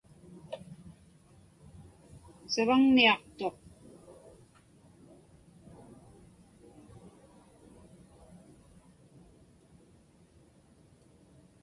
Savaŋniaqtuq.